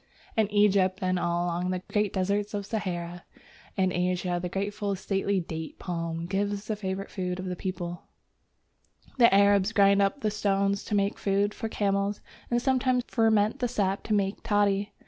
In Egypt and all along the great deserts of Sahara and Asia the graceful stately Date palm gives the favourite food of the people (see Chap. X.). The Arabs grind up the stones to make food for camels, and sometimes ferment the sap to make toddy.